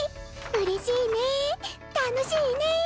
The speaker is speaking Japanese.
うれしいね楽しいね。